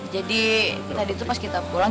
jadi tadi itu pas kita pulang